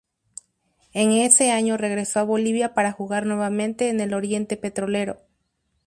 En ese año regresó a Bolivia para jugar nuevamente en el Oriente Petrolero.